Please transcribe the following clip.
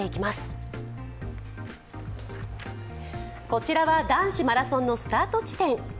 こちらは男子マラソンのスタート地点。